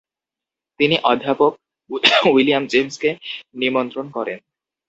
তিনি অধ্যাপক উইলিয়াম জেমসকে নিমন্ত্রণ করেন।